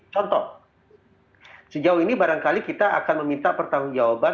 contoh sejauh ini barangkali kita akan meminta pertanggung jawaban